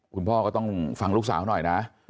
คุณพ่อก็ต้องฟังลูกสาวหน่อยนะ